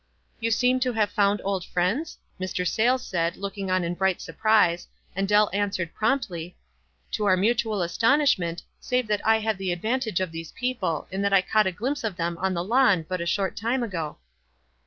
"You seem to have found old friends?" Mr. Sayles said, looking on in slight surprise, and Dell answered, promptly, — "To our mutual astonishment, save that I have the advantage of these people, in that I caught a glimpse of them on the lawn but a short time ago."